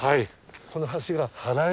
この橋が。